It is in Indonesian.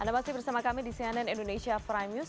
anda masih bersama kami di cnn indonesia prime news